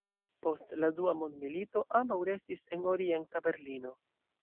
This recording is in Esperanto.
Post la Dua mondmilito ambaŭ restis en Orienta Berlino.